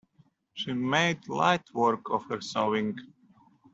She made light work of her sewing.